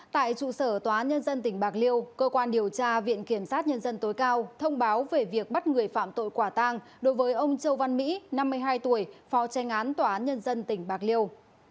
tại trụ sở tòa nhân dân tỉnh bạc liêu cơ quan điều tra viện kiểm sát nhân dân tối cao thông báo về việc bắt người phạm tội quả tang đối với ông châu văn mỹ năm mươi hai tuổi phó tranh án tòa án nhân dân tỉnh bạc liêu